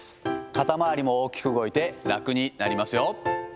肩周りも大きく動いて楽になりますよ。